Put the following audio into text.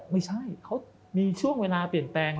ไม่ใช่เขามีช่วงเวลาเปลี่ยนแปลง